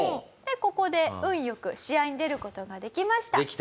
でここで運良く試合に出る事ができました。